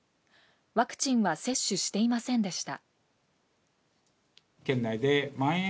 ワクチンは接種していませんでした。